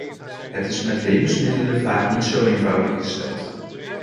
Het is met levensmiddelen vaak niet zo eenvoudig gesteld.